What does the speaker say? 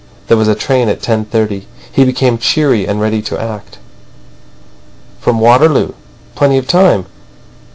There was a train at 10.30. He became cheery and ready to act. "From Waterloo. Plenty of time.